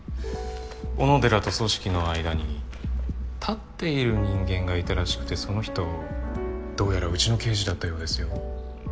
小野寺と組織の間に立っている人間がいたらしくてその人どうやらウチの刑事だったようですよ。